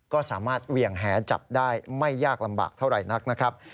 ก็สามารถเวี่ยงแหจับได้ไม่ยากลำบากเท่าไหร่นักนะครับ